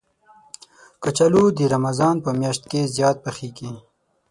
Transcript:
کچالو د رمضان په میاشت کې زیات پخېږي